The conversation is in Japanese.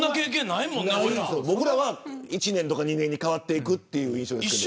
僕らは１年とか２年で変わっていく印象ですけど。